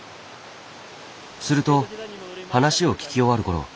すると話を聞き終わるころ